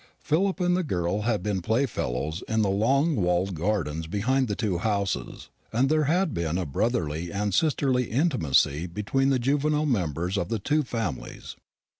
Philip and the girl had been playfellows in the long walled gardens behind the two houses, and there had been a brotherly and sisterly intimacy between the juvenile members of the two families.